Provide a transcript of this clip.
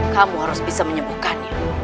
kamu harus bisa menyembuhkannya